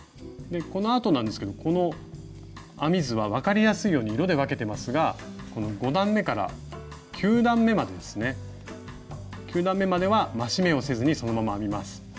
このあとなんですけどこの編み図は分かりやすいように色で分けてますが５段めから９段めまでは増し目をせずにそのまま編みます。